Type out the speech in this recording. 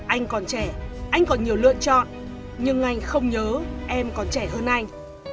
anh còn trẻ anh còn nhiều lựa chọn nhưng anh không nhớ em còn trẻ hơn anh